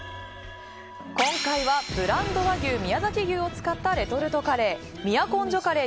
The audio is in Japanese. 今回はブランド和牛宮崎牛を使ったレトルトカレー都城華礼